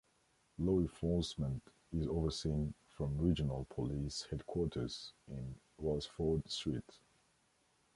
Law enforcement is overseen from regional police headquarters in Welsford Street.